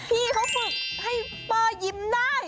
พี่เขาฝึกให้เปอร์ยิ้มได้